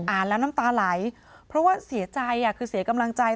แล้วน้ำตาไหลเพราะว่าเสียใจคือเสียกำลังใจ